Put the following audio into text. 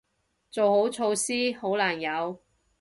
做好措施，好難有